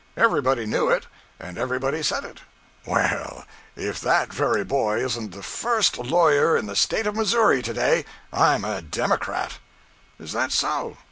Everybody knew it, and everybody said it. Well, if that very boy isn't the first lawyer in the State of Missouri to day, I'm a Democrat!' 'Is that so?'